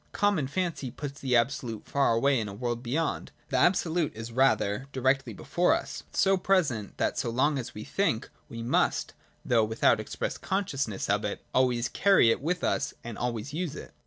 Common fancy puts the Absolute far away in a world beyond. The Absolute is rather directly before us, so present that so long as we think, we must, though without express consciousness of it, always carry it with us and always use it.